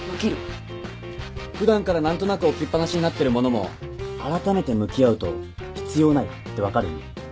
普段から何となく置きっぱなしになってる物もあらためて向き合うと必要ないって分かるんで。